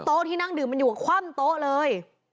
ที่นั่งดื่มมันอยู่คว่ำโต๊ะเลย